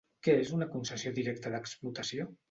Què és una concessió directa d'explotació?